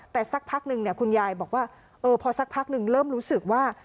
แต่สักพักนึงคุณยายบอกว่าพอสักพักหนึ่งเริ่มรู้สึกว่า